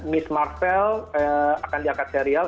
miss marvel akan diangkat serial